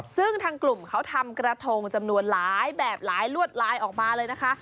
ซึ่งทางกลุ่มเขาทำกระทงจำนวนหลายแบบหลายลวดลายออกมาเลยนะคะ